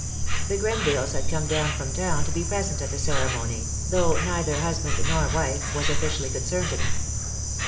The Grenvilles had come down from town to be present at the ceremony, though neither husband nor wife was officially concerned in it.